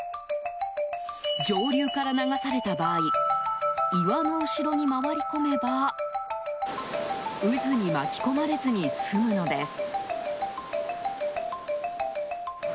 上流から流された場合岩の後ろに回り込めば渦に巻き込まれずに済むのです。